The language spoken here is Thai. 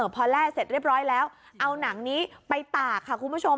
พอแล่เสร็จเรียบร้อยแล้วเอาหนังนี้ไปตากค่ะคุณผู้ชม